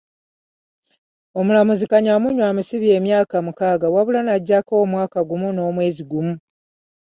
Omulamuzi, Kanyamunyu amusibye emyaka mukaaga wabula n'aggyako omwaka gumu n'omwezi gumu .